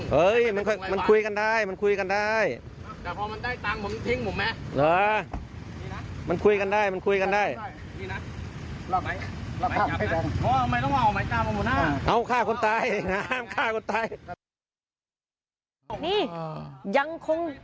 หมุน่ารถกระบาดมันทั้งคานผมว่าไปจำนอง